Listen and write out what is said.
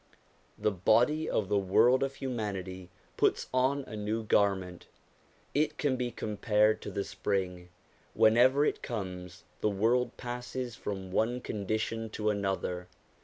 The body of the world of humanity puts on a new garment. It can be compared to the spring ; whenever it comes, the world passes from one condition to another.